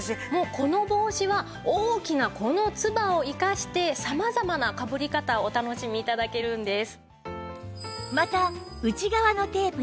この帽子は大きなこのツバを生かして様々なかぶり方をお楽しみ頂けるんです。